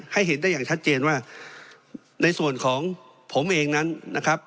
เห็นได้อย่างชัดเจนว่าในส่วนของผมเองนั้นนะครับ